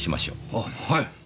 あっはい。